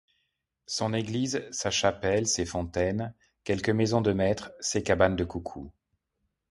Son église, sa chapelle, ses fontaines, Quelques maisons de maître, ses cabanes de Coucou...